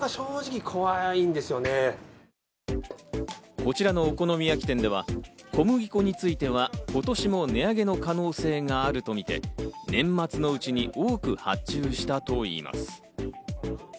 こちらのお好み焼き店では小麦粉については今年も値上げの可能性があるとみて、年末のうちに多く発注したといいます。